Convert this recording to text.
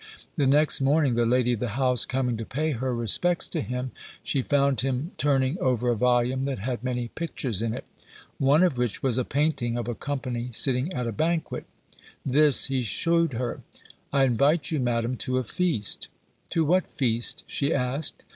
The next morning the lady of the house coming to pay her respects to him, she found him turning over a volume that had many pictures in it; one of which was a painting of a company sitting at a banquet: this he showed her. "I invite you, madam, to a feast." "To what feast?" she asked.